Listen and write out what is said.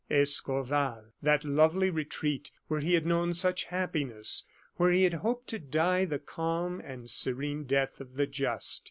Escorval, that lovely retreat where he had known such happiness, where he had hoped to die the calm and serene death of the just.